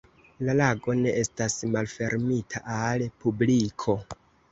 La lago ne estas malfermita al publiko.